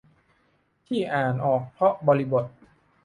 ที่อ่านออกเพราะบริบท